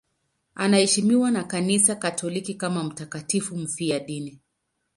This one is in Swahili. Anaheshimiwa na Kanisa Katoliki kama mtakatifu mfiadini.